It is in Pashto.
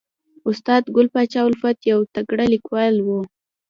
استاد ګل پاچا الفت یو تکړه لیکوال و